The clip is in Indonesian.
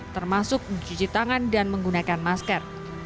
termasuk mencuci tangan dan menggunakan masker